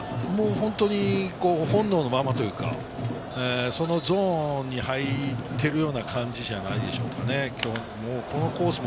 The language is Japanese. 本当に本能のままというか、そのゾーンに入ってるような感じじゃないでしょうかね。